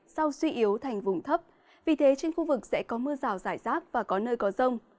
sau suy yếu thành vùng thấp vì thế trên khu vực sẽ có mưa rào rải rác và có nơi có rông